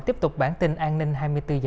tiếp tục bản tin an ninh hai mươi bốn h